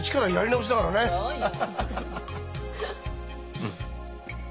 うん。